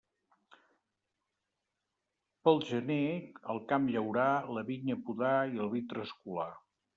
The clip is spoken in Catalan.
Pel gener, el camp llaurar, la vinya podar i el vi trascolar.